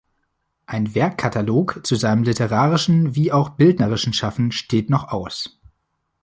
Ein Werk-Katalog zu seinem literarischen wie auch bildnerischen Schaffen steht noch aus.